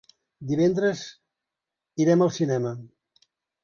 Divendres irem al cinema.